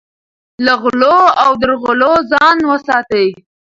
له غلو او درغلیو ځان وساتئ.